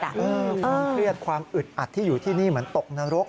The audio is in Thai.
ความเครียดความอึดอัดที่อยู่ที่นี่เหมือนตกนรก